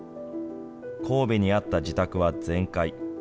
神戸にあった自宅は全壊。